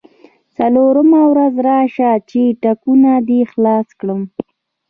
څلورمه ورځ راشه چې ټکونه دې خلاص کړم.